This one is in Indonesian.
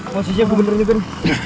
posisi aku bener bener